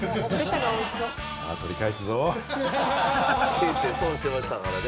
人生損してましたからね。